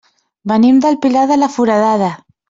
Venim del Pilar de la Foradada.